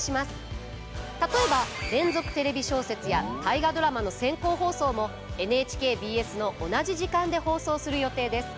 例えば「連続テレビ小説」や「大河ドラマ」の先行放送もＮＨＫＢＳの同じ時間で放送する予定です。